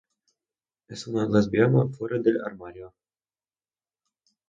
Es una lesbiana fuera del armario.